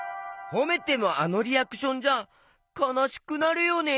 ほめてもあのリアクションじゃかなしくなるよね！